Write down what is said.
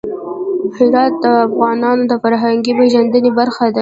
هرات د افغانانو د فرهنګي پیژندنې برخه ده.